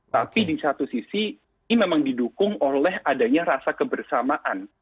tapi di satu sisi ini memang didukung oleh adanya rasa kebersamaan